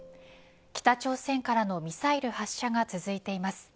北朝鮮からのミサイル発射が続いています。